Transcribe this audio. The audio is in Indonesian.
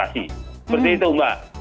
seperti itu mbak